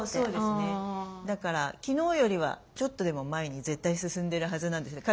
だから昨日よりはちょっとでも前に絶対進んでるはずなんですね。